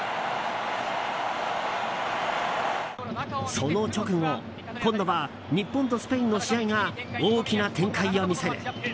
その直後、今度は日本とスペインの試合が大きな展開を見せる。